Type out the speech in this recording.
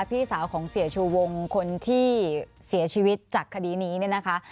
พี่สาวของเสียชูวงคนที่เสียชีวิตจากคดีนี้เนี่ยนะคะ